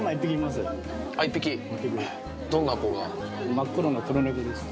真っ黒な黒猫です。